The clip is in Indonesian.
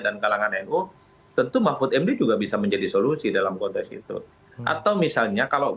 dan kalangan nu tentu mahfud md juga bisa menjadi solusi dalam konteks itu atau misalnya kalau